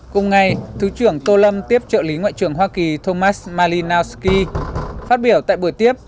cùng ngày thứ trưởng tô lâm tiếp trợ lý ngoại trưởng hoa kỳ thomas malinasky phát biểu tại buổi tiếp